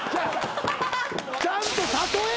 ちゃんと例え！